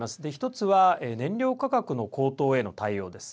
１つは燃料価格の高騰への対応です。